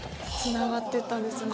つながってったんですね。